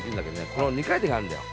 この２回転があるんだよ。